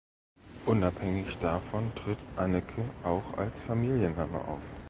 Unabhängig davon tritt "Anneke" auch als Familienname auf.